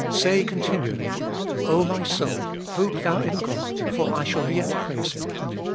Say continually — O my soul, hope thou in God, for I shall yet praise Him.